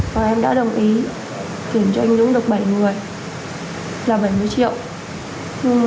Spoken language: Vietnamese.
và em đã đồng ý chuyển cho anh dũng được bảy người là bảy mươi triệu